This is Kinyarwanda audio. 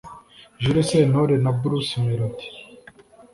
Jules Sentore na Bruce Melody